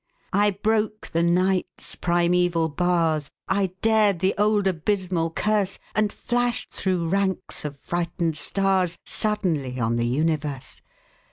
I broke the Night's primeval bars, I dared the old abysmal curse, And flashed through ranks of frightened stars Suddenly on the universe!